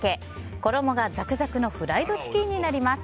衣がザクザクのフライドチキンになります。